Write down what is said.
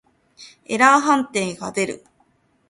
エラー判定が出る。